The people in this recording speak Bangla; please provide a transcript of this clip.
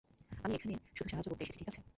আমি এখানে শুধু সাহায্য করতে এসেছি, ঠিক আছে?